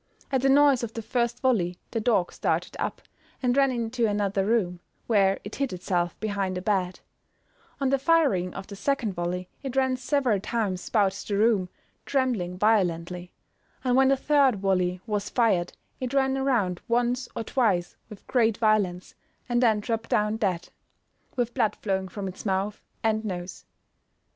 At the noise of the first volley the dog started up, and ran into another room, where it hid itself behind a bed; on the firing of the second volley, it ran several times bout the room, trembling violently; and when the third volley was fired it ran around once or twice with great violence, and then dropped down dead, with blood flowing from its mouth and nose.